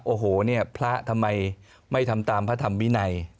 โอ้โหเนี่ยพระทำไมไม่ทำตามพระธรรมวินัย